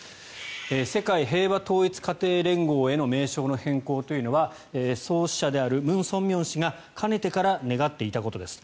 世界平和統一家庭連合への名称の変更というのは創始者であるムン・ソンミョン師がかねてから願っていたことです